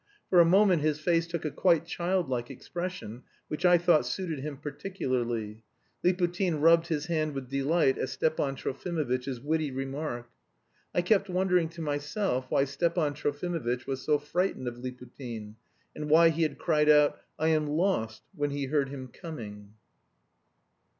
For a moment his face took a quite childlike expression, which I thought suited him particularly. Liputin rubbed his hand with delight at Stepan Trofimovitch's witty remark. I kept wondering to myself why Stepan Trofimovitch was so frightened of Liputin, and why he had cried out "I am lost" when he heard him coming.